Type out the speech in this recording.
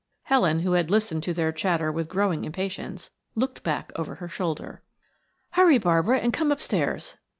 Helen, who had listened to their chatter with growing impatience, looked back over her shoulder. "Hurry, Barbara, and come upstairs.